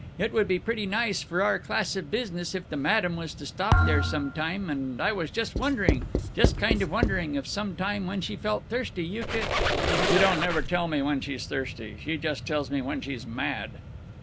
It would be pretty nice for our class of business if the Madam was to stop there some time, and I was just wondering, just kinda wondering, if some time when she felt thirsty you c " "She don't never tell me when she's thirsty. She just tells me when she's mad."